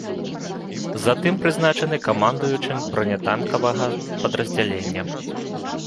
Затым прызначаны камандуючым бранятанкавага падраздзялення.